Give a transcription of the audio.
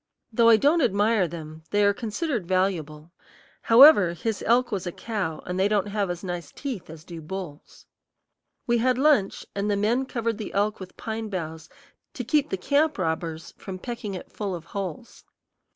Though I don't admire them, they are considered valuable; however, his elk was a cow, and they don't have as nice teeth as do bulls. We had lunch, and the men covered the elk with pine boughs to keep the camp robbers from pecking it full of holes.